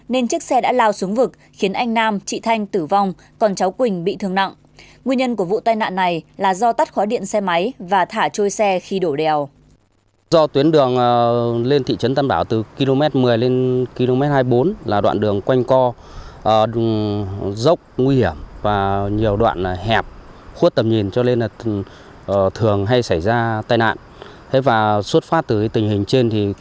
nên chiếc xe đã lao xuống vực khiến anh nam chị thanh tử vong còn cháu quỳnh bị thương nặng